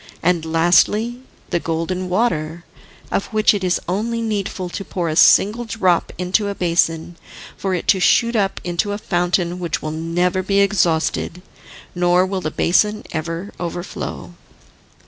And lastly the Golden Water, of which it is only needful to pour a single drop into a basin for it to shoot up into a fountain, which will never be exhausted, nor will the basin ever overflow."